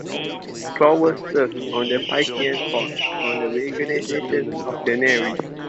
Clover served on the Phythian Board on the reorganization of the Navy.